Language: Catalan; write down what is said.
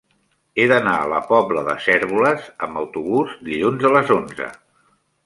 He d'anar a la Pobla de Cérvoles amb autobús dilluns a les onze.